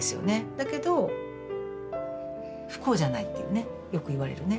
だけど不幸じゃないっていうねよく言われるね。